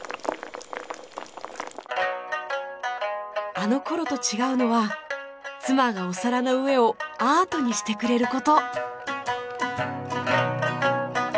あの頃と違うのは妻がお皿の上をアートにしてくれる事。